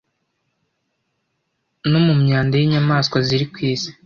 no mu myanda y'inyamaswa ziri kwisi